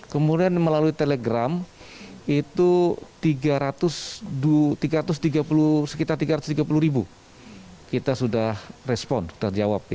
kemudian melalui telegram itu sekitar tiga ratus tiga puluh ribu kita sudah respon terjawab